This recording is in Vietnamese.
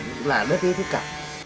cũng là đất với tất cả